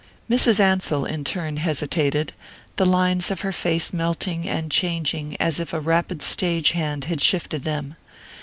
Mrs. Ansell in turn hesitated, the lines of her face melting and changing as if a rapid stage hand had shifted them.